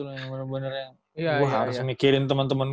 gue harus mikirin temen temen